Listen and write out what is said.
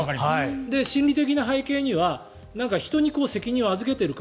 心理的な背景には人に責任を預けている感。